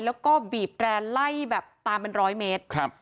แล้วก็บีบแรนไล่แบบตามเป็นร้อยเมตรครับ